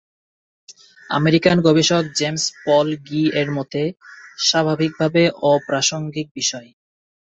American গবেষক James Paul Gee- এর মতে "স্বাভাবিকভাবে অপ্রাসঙ্গিক" বিষয়।